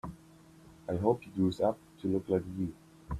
I hope he grows up to look like you.